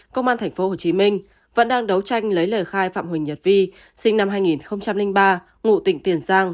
công an tp hcm vẫn đang đấu tranh lấy lời khai phạm huỳnh nhật vi sinh năm hai nghìn ba ngụ tỉnh tiền giang